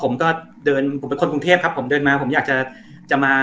ผมก็เดินผมเป็นคนกรุงเทพครับผมเดินมาผมอยากจะมา